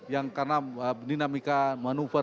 yang karena dinamika manuver